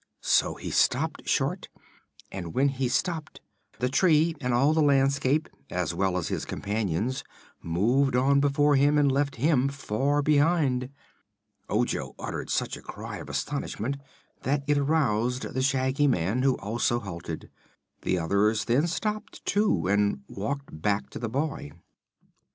So he stopped short, and when he stopped, the tree and all the landscape, as well as his companions, moved on before him and left him far behind. Ojo uttered such a cry of astonishment that it aroused the Shaggy Man, who also halted. The others then stopped, too, and walked back to the boy.